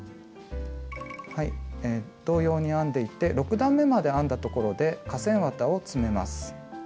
同様に編んでいって６段めまで編んだところで化繊綿を詰めます。